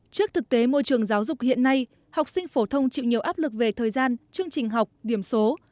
trước thực tế môi trường giáo dục hiện nay học sinh phổ thông chịu nhiều áp lực về thời gian chương trình học điểm số